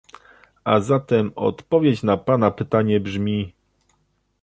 A zatem odpowiedź na pana pytanie brzmi